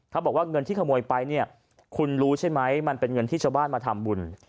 บอกว่าเงินที่ขโมยไปเนี่ยคุณรู้ใช่ไหมมันเป็นเงินที่ชาวบ้านมาทำบุญ